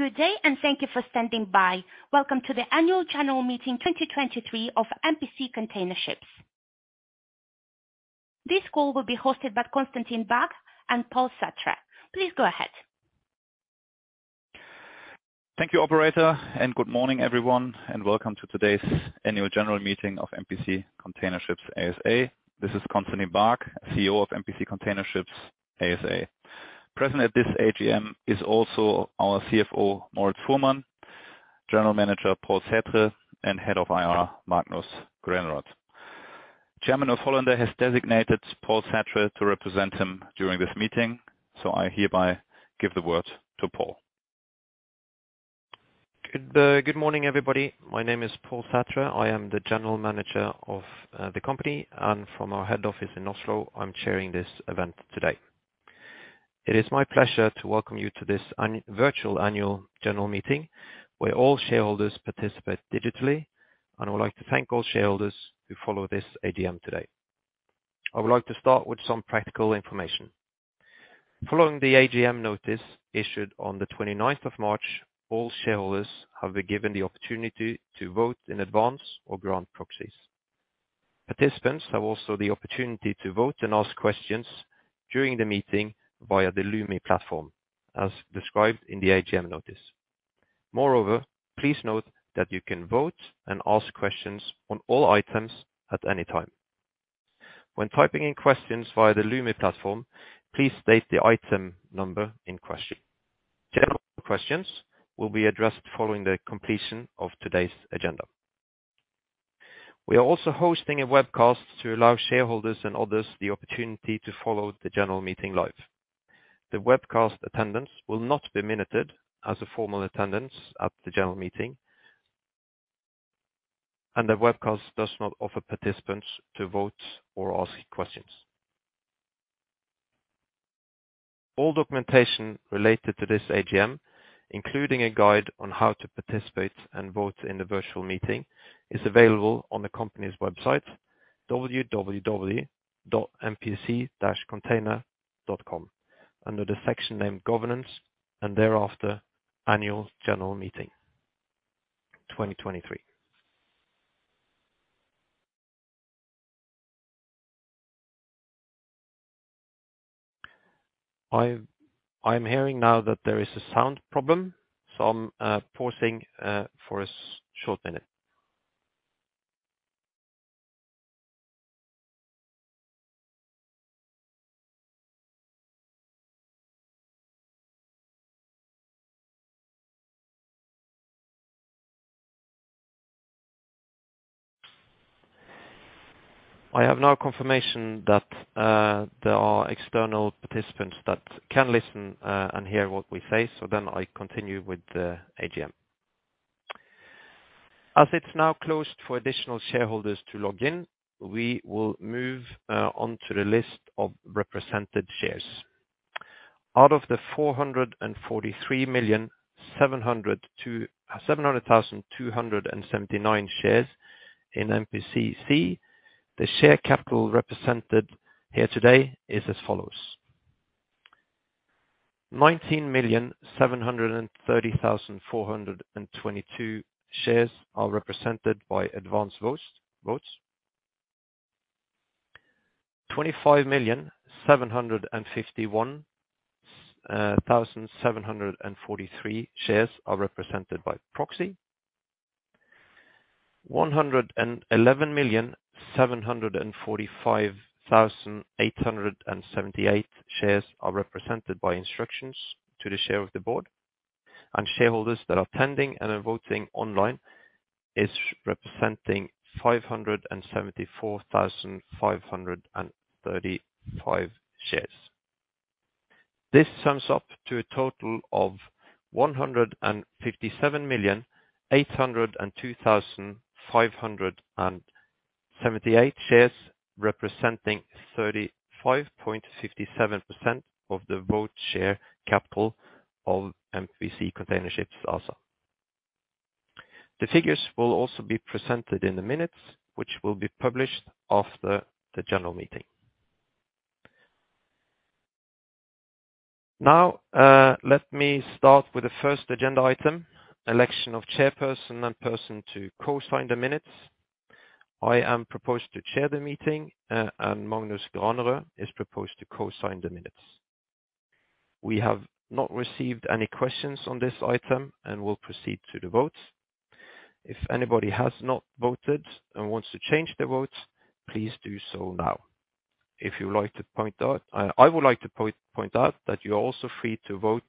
Good day and thank you for standing by. Welcome to the Annual General Meeting 2023 of MPC Container Ships. This call will be hosted by Constantin Baack and Pål Sætre. Please go ahead. Thank you operator. Good morning everyone, and welcome to today's Annual General Meeting of MPC Container Ships ASA. This is Constantin Baack, CEO of MPC Container Ships ASA. Present at this AGM is also our CFO, Moritz Fuhrmann, General Manager, Pål Sætre, and Head of IR, Magnus Granerød. Chairman Ulf Holländer has designated Pål Sætre to represent him during this meeting. I hereby give the word to Pål. Good morning, everybody. My name is Pål Sætre. I am the general manager of the company and from our head office in Oslo. I'm chairing this event today. It is my pleasure to welcome you to this virtual annual general meeting, where all shareholders participate digitally. I would like to thank all shareholders who follow this AGM today. I would like to start with some practical information. Following the AGM notice issued on the 29th of March, all shareholders have been given the opportunity to vote in advance or grant proxies. Participants have also the opportunity to vote and ask questions during the meeting via the Lumi platform, as described in the AGM notice. Moreover, please note that you can vote and ask questions on all items at any time. When typing in questions via the Lumi platform, please state the item number in question. General questions will be addressed following the completion of today's agenda. We are also hosting a webcast to allow shareholders and others the opportunity to follow the general meeting live. The webcast attendance will not be minuted as a formal attendance at the general meeting. The webcast does not offer participants to vote or ask questions. All documentation related to this AGM, including a guide on how to participate and vote in the virtual meeting is available on the company's website www.mpc-container.com under the section named Governance and thereafter Annual General Meeting 2023. I'm hearing now that there is a sound problem, so I'm pausing for a short minute. I have now confirmation that there are external participants that can listen and hear what we say. I continue with the AGM. As it's now closed for additional shareholders to log in, we will move on to the list of represented shares. Out of the 443,700,279 shares in MPCC, the share capital represented here today is as follows. 19,730,422 shares are represented by advanced votes. 25,751,743 shares are represented by proxy. 111,745,878 shares are represented by instructions to the share of the board. Shareholders that are attending and are voting online is representing 574,535 shares. This sums up to a total of 157,802,578 shares, representing 35.57% of the vote share capital of MPC Container Ships ASA. The figures will also be presented in the minutes, which will be published after the general meeting. Now, let me start with the first agenda item, election of chairperson and person to co-sign the minutes. I am proposed to chair the meeting, and Magnus Granerød is proposed to co-sign the minutes. We have not received any questions on this item and will proceed to the votes. If anybody has not voted and wants to change their votes, please do so now. I would like to point out that you are also free to vote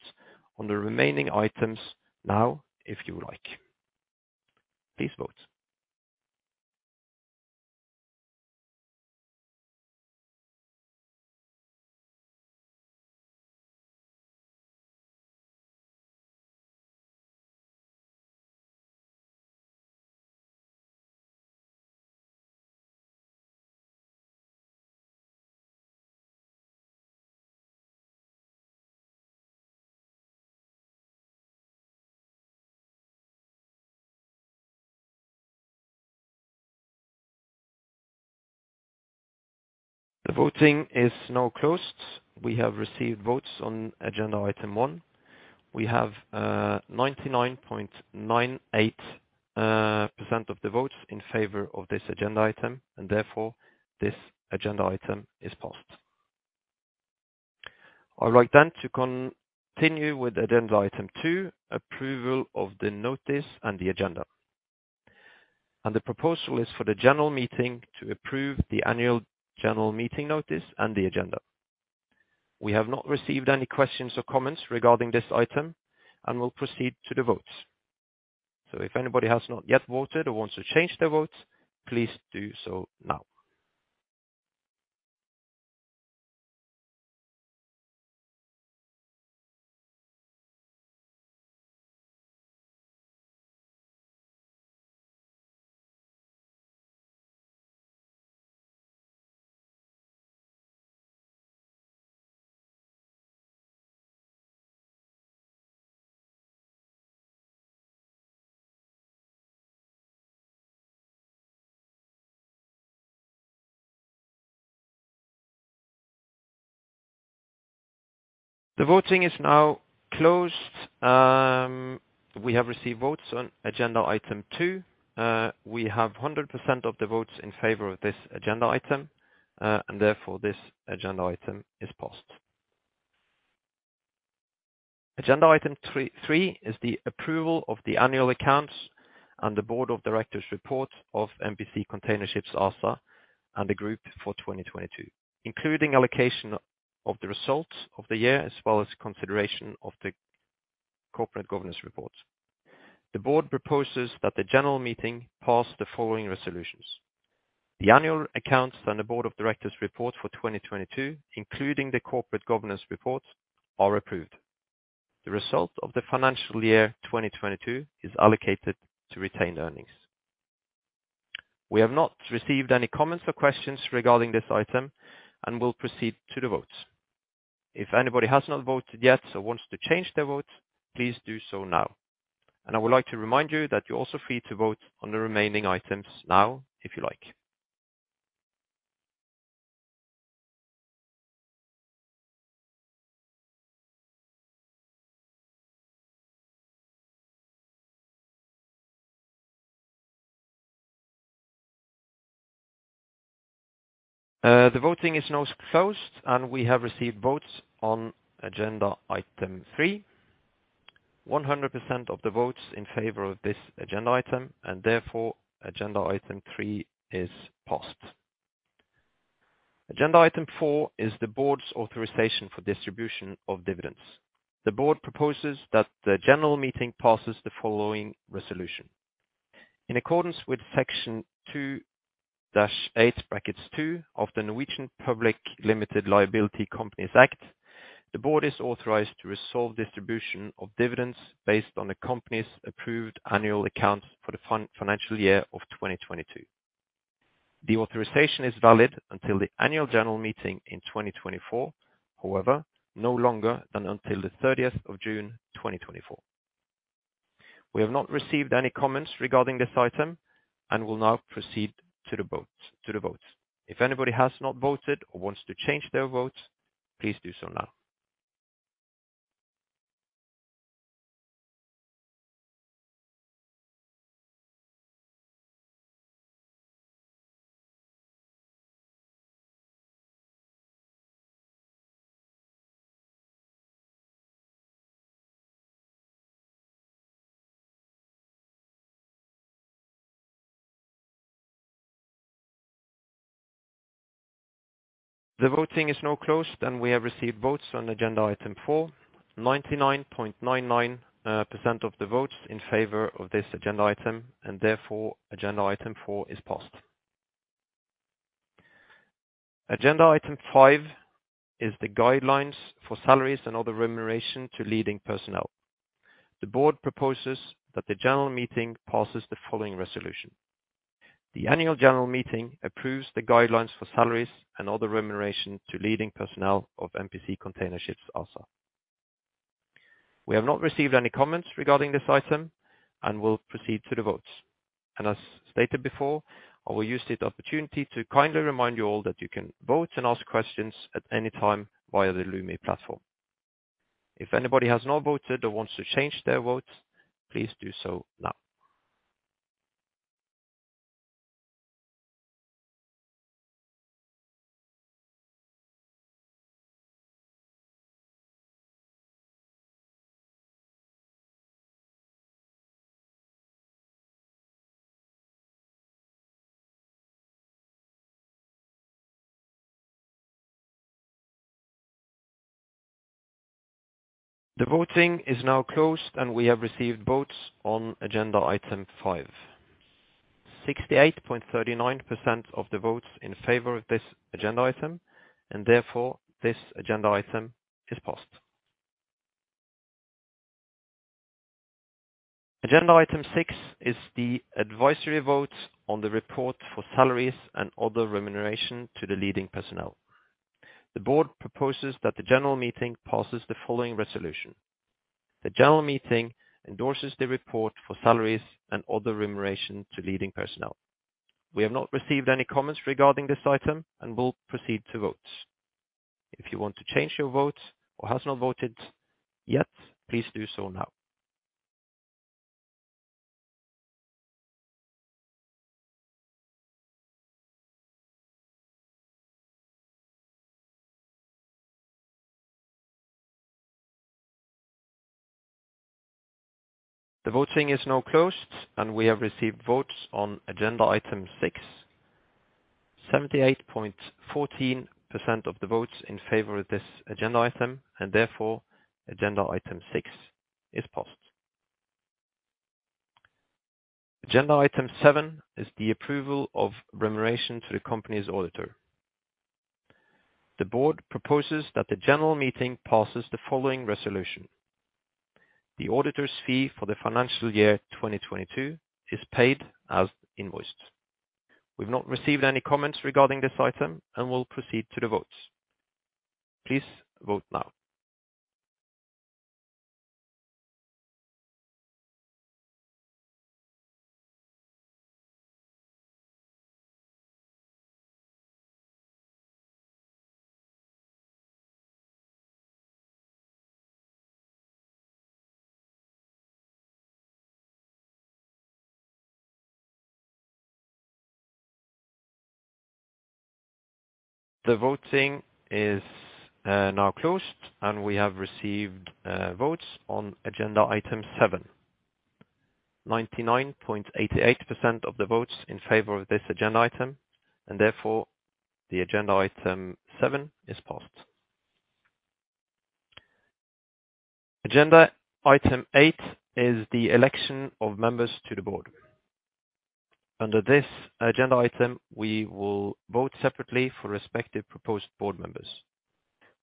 on the remaining items now if you would like. Please vote. The voting is now closed. We have received votes on agenda item one. We have 99.98% of the votes in favor of this agenda item, and therefore, this agenda item is passed. I would like then to continue with agenda item two, approval of the notice and the agenda. The proposal is for the general meeting to approve the annual general meeting notice and the agenda. We have not received any questions or comments regarding this item and will proceed to the votes. If anybody has not yet voted or wants to change their votes, please do so now. The voting is now closed. We have received votes on agenda item two. We have 100% of the votes in favor of this agenda item, and therefore this agenda item is passed. Agenda item three is the approval of the annual accounts and the board of directors report of MPC Container Ships ASA and the group for 2022, including allocation of the results of the year, as well as consideration of the corporate governance report. The board proposes that the general meeting pass the following resolutions. The annual accounts and the board of directors report for 2022, including the corporate governance report, are approved. The result of the financial year 2022 is allocated to retained earnings. We have not received any comments or questions regarding this item and will proceed to the votes. If anybody has not voted yet or wants to change their vote, please do so now. I would like to remind you that you're also free to vote on the remaining items now, if you like. The voting is now closed, and we have received votes on agenda item three. 100% of the votes in favor of this agenda item, and therefore agenda item three is passed. Agenda item four is the board's authorization for distribution of dividends. The board proposes that the general meeting passes the following resolution. In accordance with Section 2-8(2) of the Norwegian Public Limited Liability Companies Act, the board is authorized to resolve distribution of dividends based on the company's approved annual accounts for the financial year of 2022. The authorization is valid until the annual general meeting in 2024, however, no longer than until the 30th of June 2024. We have not received any comments regarding this item and will now proceed to the votes. If anybody has not voted or wants to change their votes, please do so now. The voting is now closed. We have received votes on Agenda item four. 99.99% of the votes in favor of this Agenda item, and therefore, Agenda item four is passed. Agenda item five is the guidelines for salaries and other remuneration to leading personnel. The board proposes that the general meeting passes the following resolution. The annual general meeting approves the guidelines for salaries and other remuneration to leading personnel of MPC Container Ships ASA. We have not received any comments regarding this item and will proceed to the votes. As stated before, I will use the opportunity to kindly remind you all that you can vote and ask questions at any time via the Lumi platform. If anybody has not voted or wants to change their votes, please do so now. The voting is now closed, and we have received votes on agenda item five. 68.39% of the votes in favor of this agenda item, and therefore this agenda item is passed. Agenda item six is the advisory vote on the report for salaries and other remuneration to the leading personnel. The board proposes that the general meeting passes the following resolution. The general meeting endorses the report for salaries and other remuneration to leading personnel. We have not received any comments regarding this item and will proceed to vote. If you want to change your vote or have not voted yet, please do so now. The voting is now closed, and we have received votes on agenda item six. 78.14% of the votes in favor of this agenda item, therefore agenda item six is passed. Agenda item seven is the approval of remuneration to the company's auditor. The board proposes that the general meeting passes the following resolution. The auditor's fee for the financial year 2022 is paid as invoiced. We've not received any comments regarding this item and will proceed to the votes. Please vote now. The voting is now closed, and we have received votes on agenda item 7. 99.88% of the votes in favor of this agenda item, therefore the agenda item seven is passed. Agenda item eight is the election of members to the board. Under this agenda item, we will vote separately for respective proposed board members.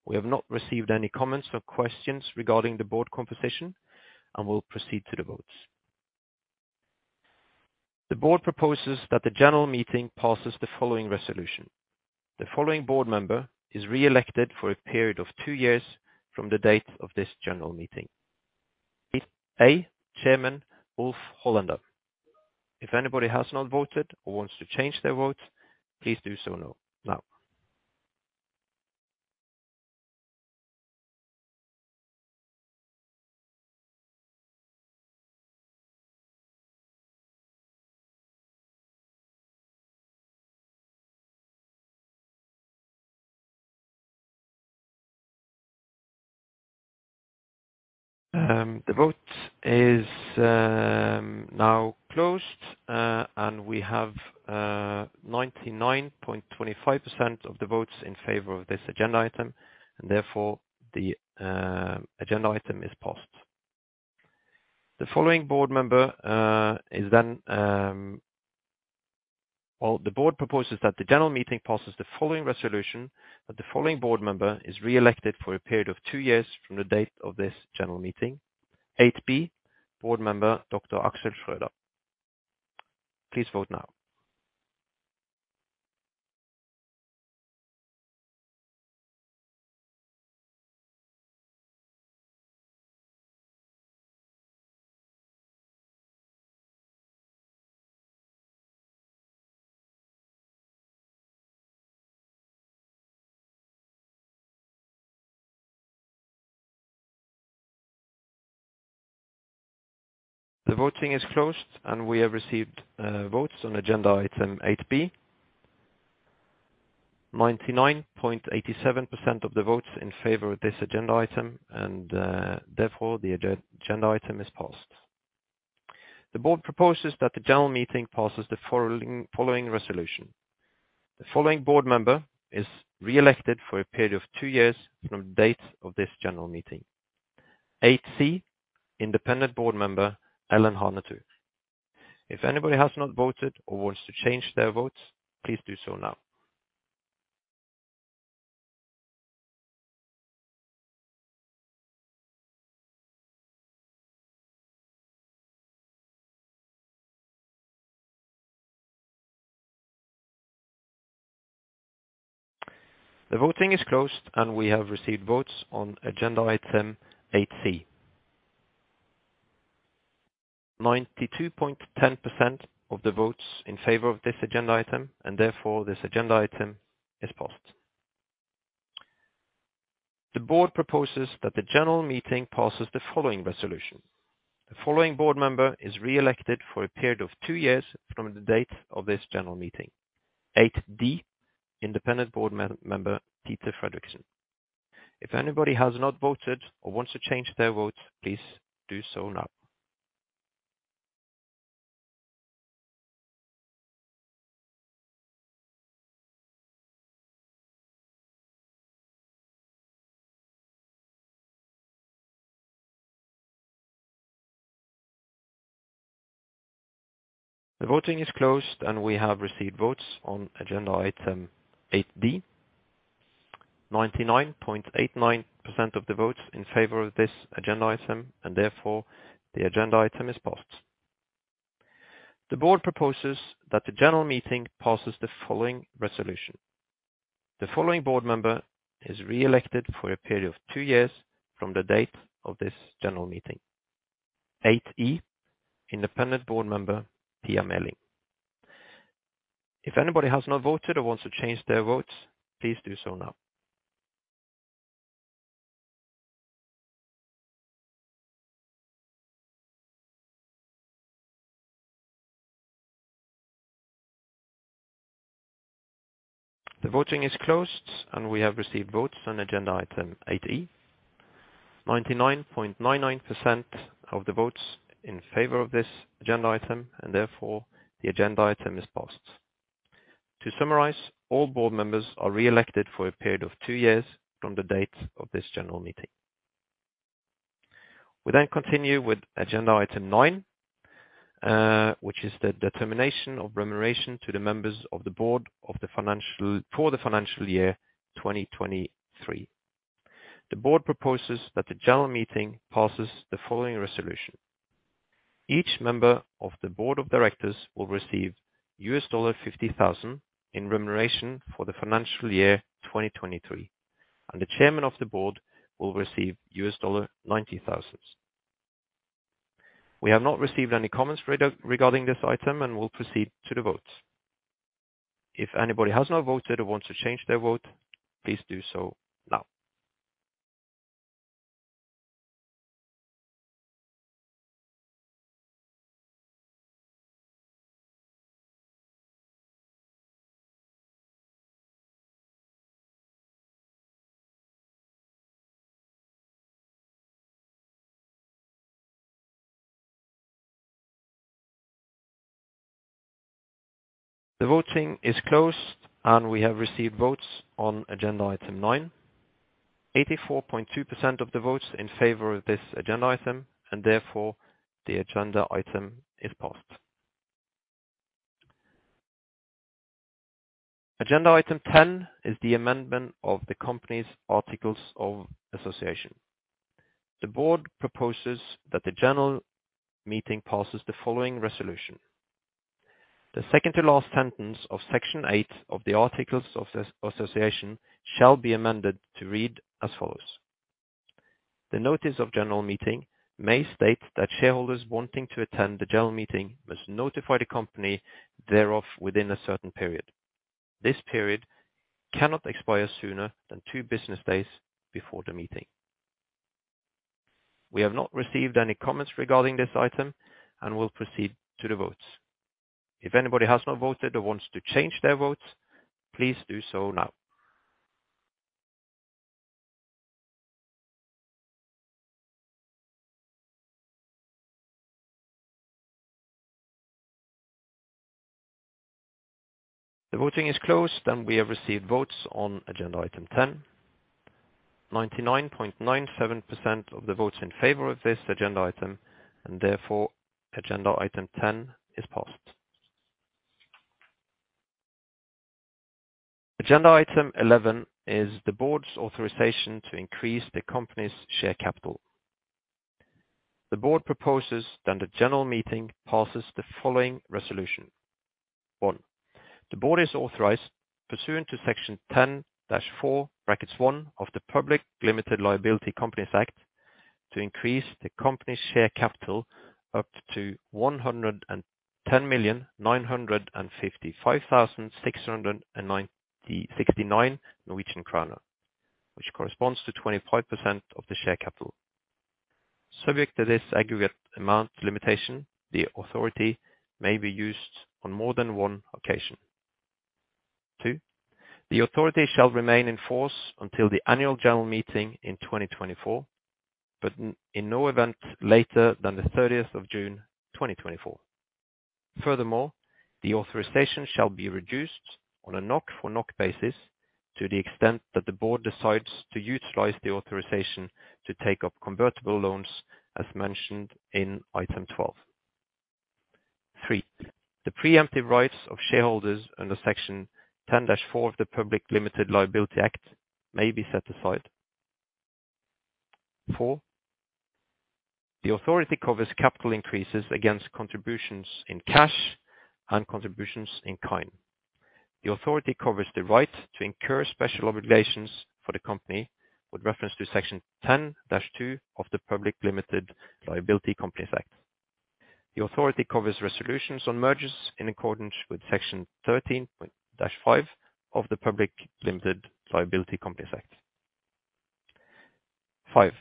We have not received any comments or questions regarding the board composition and will proceed to the votes. The board proposes that the general meeting passes the following resolution. The following board member is re-elected for a period of two years from the date of this general meeting. A, Chairman Ulf Holländer. If anybody has not voted or wants to change their vote, please do so now. The vote is now closed, and we have 99.25% of the votes in favor of this agenda item, and therefore the agenda item is passed. The board proposes that the general meeting passes the following resolution, that the following board member is re-elected for a period of two years from the date of this general meeting. 8B, Board Member Dr. Axel Schroeder. Please vote now. The voting is closed, and we have received votes on agenda item 8B. 99.87% of the votes in favor of this agenda item and, therefore the agenda item is passed. The board proposes that the general meeting passes the following resolution. The following board member is re-elected for a period of two years from the date of this general meeting. 8C, independent board member Ellen Hanetho. If anybody has not voted or wants to change their votes, please do so now. The voting is closed, and we have received votes on agenda item 8C. 92.10% of the votes in favor of this agenda item, and therefore this agenda item is passed. The board proposes that the general meeting pass the following resolution. The following board member is re-elected for a period of two years from the date of this general meeting. 8D, independent board member Peter Frederiksen. If anybody has not voted or wants to change their votes, please do so now. The voting is closed, and we have received votes on agenda item 8 D. 99.89% of the votes in favor of this agenda item, and therefore, the agenda item is passed. The board proposes that the general meeting pass the following resolution. The following board member is re-elected for a period of two years from the date of this general meeting. 8 E, independent board member, Pia Meling. If anybody has not voted or wants to change their votes, please do so now. The voting is closed, and we have received votes on agenda item 8 E. 99.99% of the votes in favor of this agenda item, therefore the agenda item is passed. To summarize, all board members are re-elected for a period of two years from the date of this general meeting. We continue with agenda item nine, which is the determination of remuneration to the members of the board for the financial year 2023. The board proposes that the general meeting passes the following resolution. Each member of the board of directors will receive $50,000 in remuneration for the financial year 2023. The chairman of the board will receive $90,000. We have not received any comments regarding this item and will proceed to the votes. If anybody has not voted or wants to change their vote, please do so now. The voting is closed. We have received votes on agenda item nine. 84.2% of the votes in favor of this agenda item, the agenda item is passed. Agenda item ten is the amendment of the company's Articles of Association. The Board proposes that the general meeting pass the following resolution. The second-to-last sentence of section eight of the Articles of Association shall be amended to read as follows. The notice of the general meeting may state that shareholders wanting to attend the general meeting must notify the company thereof within a certain period. This period cannot expire sooner than two business days before the meeting. We have not received any comments regarding this item. We will proceed to the votes. If anybody has not voted or wants to change their votes, please do so now. The voting is closed, and we have received votes on agenda item ten. 99.97% of the votes in favor of this agenda item, agenda item ten is passed. Agenda item 11 is the board's authorization to increase the company's share capital. The board proposes that the general meeting pass the following resolution. One, the board is authorized, pursuant to Section 10-4 (1) of the Public Limited Liability Companies Act, to increase the company's share capital up to NOK 110,955,669, which corresponds to 25% of the share capital. Subject to this aggregate amount limitation, the authority may be used on more than one occasion. Two, the authority shall remain in force until the annual general meeting in 2024, in no event later than the thirtieth of June, 2024. Furthermore, the authorization shall be reduced on a krone-for-krone basis to the extent that the board decides to utilize the authorization to take up convertible loans, as mentioned in item 12. Three, the preemptive rights of shareholders under Section 10-4 of the Public Limited Liability Act may be set aside. Four, the authority covers capital increases against contributions in cash and contributions in kind. The authority covers the right to incur special obligations for the company with reference to Section 10-2 of the Public Limited Liability Companies Act. The authority covers resolutions on mergers in accordance with Section 13-5 of the Public Limited Liability Companies Act. Five,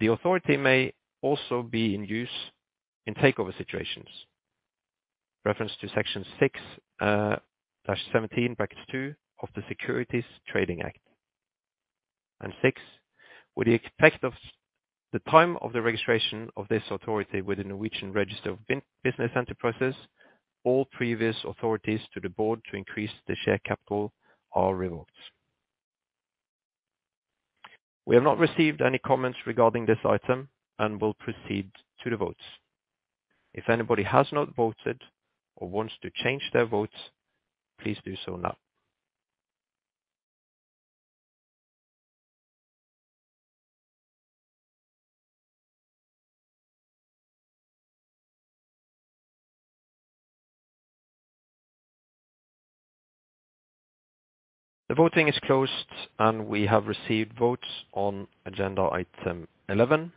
the authority may also be used in takeover situations. Reference to Section 6-17(2) of the Securities Trading Act. Six, with the effect of the time of the registration of this authority with the Norwegian Register of Business Enterprises, all previous authorities to the board to increase the share capital are revoked. We have not received any comments regarding this item and will proceed to the votes. If anybody has not voted or wants to change their votes, please do so now. The voting is closed. We have received votes on agenda item 11.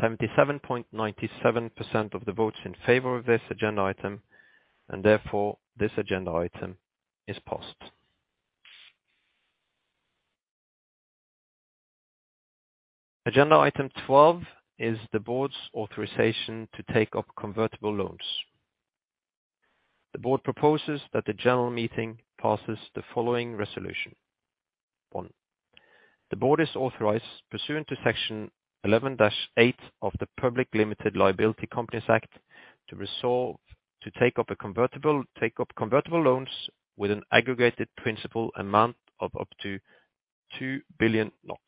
77.97% of the votes were in favor of this agenda item. Therefore, this agenda item is passed. Agenda item 12 is the board's authorization to take up convertible loans. The board proposes that the general meeting pass the following resolution. One, the board is authorized pursuant to Section 11-8 of the Public Limited Liability Companies Act to resolve to take up convertible loans with an aggregated principal amount of up to 2 billion NOK.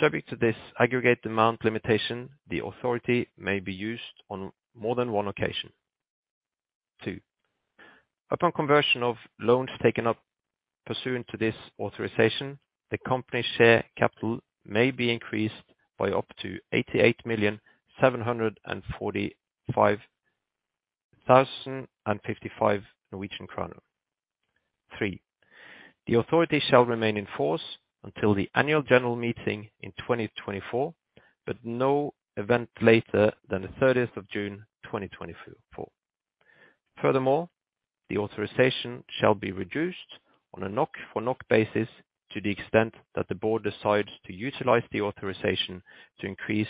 Subject to this aggregate amount limitation, the authority may be used on more than one occasion. Two, upon conversion of loans taken up pursuant to this authorization, the company's share capital may be increased by up to 88,745,055. Three, the authority shall remain in force until the annual general meeting in 2024, but no event later than the 30th of June 2024. The authorization shall be reduced on a NOK-for-NOK basis to the extent that the board decides to utilize the authorization to increase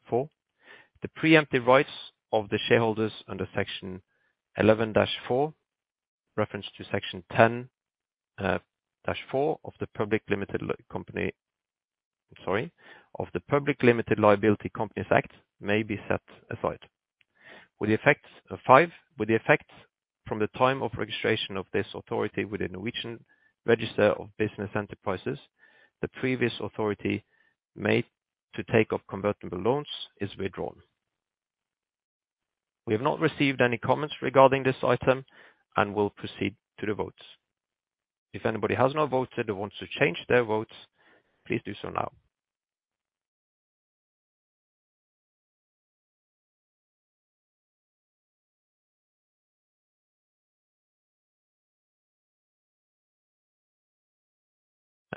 the share capital of the company mentioned in item 11. Four, the preemptive rights of the shareholders under Section 11-4, with reference to Section 10-4 of the Public Limited Liability Companies Act, may be set aside. With the effects of five. With the effects from the time of registration of this authority with the Norwegian Register of Business Enterprises, the previous authority made to take up convertible loans is withdrawn. We have not received any comments regarding this item and will proceed to the votes. If anybody has not voted or wants to change their votes, please do so now.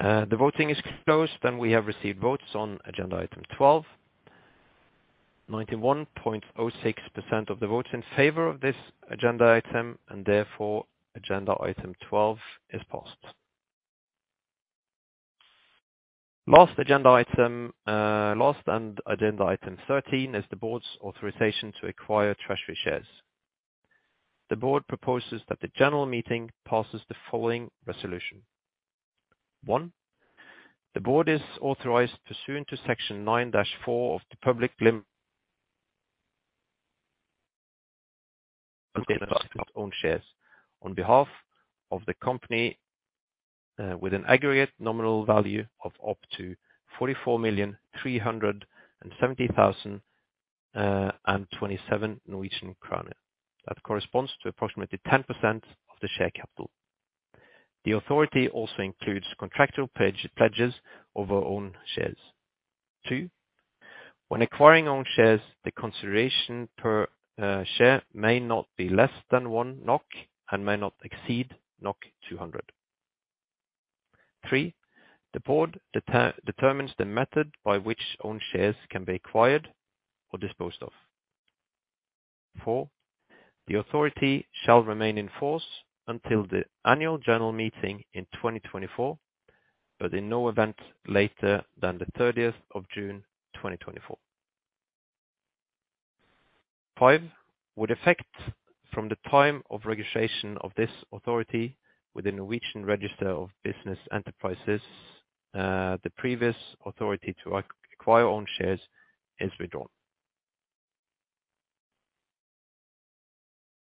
The voting is closed, and we have received votes on agenda item 12. 91.06% of the votes in favor of this agenda item, and therefore agenda item 12 is passed. Last agenda item, last agenda item 13 is the board's authorization to acquire treasury shares. The board proposes that the general meeting pass the following resolution. One, the board is authorized pursuant to Section nine dash four of the Public Limited Company Act on behalf of the company, with an aggregate nominal value of up to 44,370,027 Norwegian kroner. That corresponds to approximately 10% of the share capital. The authority also includes contractual pledges over its own shares. Two, when acquiring own shares, the consideration per share may not be less than 1 NOK and may not exceed 200. Three, the board determines the method by which its own shares can be acquired or disposed of. 4, the authority shall remain in force until the annual general meeting in 2024, but in no event later than the 30th of June, 2024. 5, with effect from the time of registration of this authority with the Norwegian Register of Business Enterprises, the previous authority to acquire its own shares is withdrawn.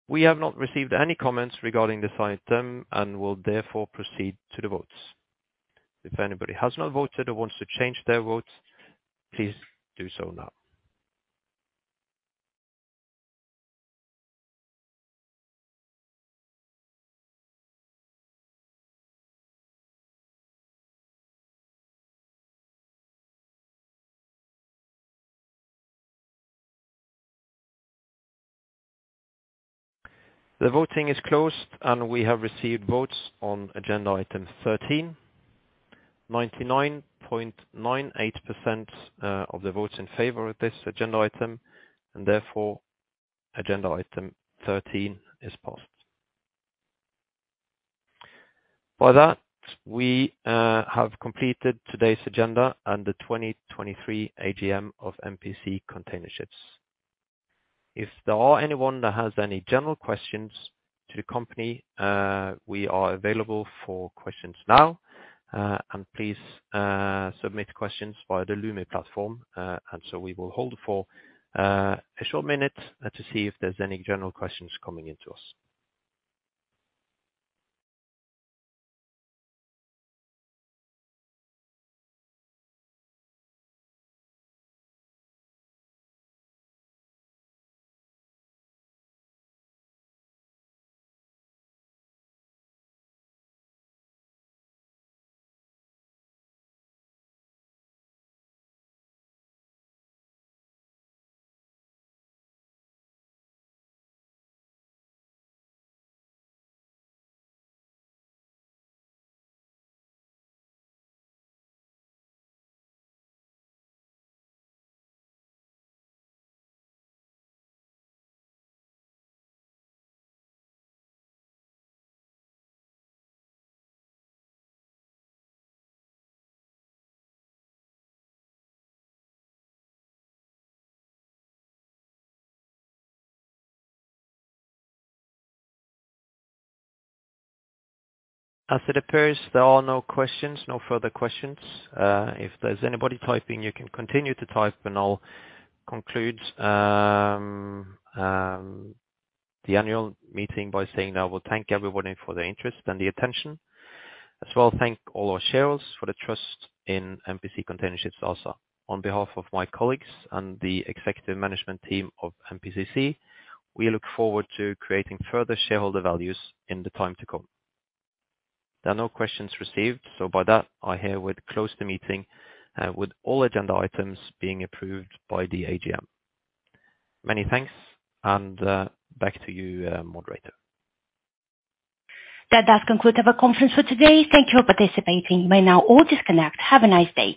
We have not received any comments regarding this item and will therefore proceed to the votes. If anybody has not voted or wants to change their votes, please do so now. The voting is closed, and we have received votes on agenda item 13. 99.98% of the votes in favor of this agenda item, and therefore, agenda item 13 is passed. We have completed today's agenda and the 2023 AGM of MPC Container Ships. If there is anyone who has any general questions about the company, we are available for questions now. Please submit questions via the Lumi platform. We will hold for a short minute to see if there are any general questions coming to us. As it appears, there are no questions, no further questions. If there's anybody typing, you can continue to type, and I'll conclude the annual meeting by saying that I will thank everybody for their interest and attention. As well, thank all our shareholders for the trust in MPC Container Ships ASA. On behalf of my colleagues and the executive management team of MPCC, we look forward to creating further shareholder value in the time to come. There are no questions received, so by that, I herewith close the meeting, with all agenda items being approved by the AGM. Many thanks, and back to you, moderator. That does conclude our conference for today. Thank you for participating. You may now all disconnect. Have a nice day.